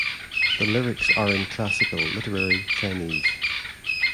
The lyrics are in classical literary Chinese.